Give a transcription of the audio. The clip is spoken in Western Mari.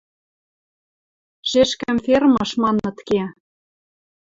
Шешкӹм фермыш, маныт, ке.